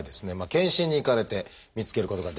健診に行かれて見つけることができたと。